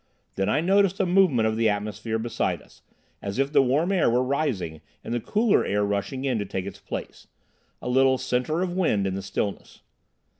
Then I noticed a movement of the atmosphere beside us, as if the warm air were rising and the cooler air rushing in to take its place: a little centre of wind in the stillness.